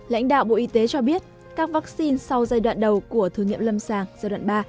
lãnh đạo bộ y tế cho biết các vaccine sau giai đoạn đầu của thử nghiệm lâm sàng giai đoạn ba